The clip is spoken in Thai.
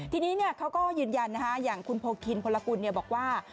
ทีนี้เนี่ยเขาก็ยืนยันนะฮะอย่างคุณโพกินพลกุลเนี่ยบอกว่า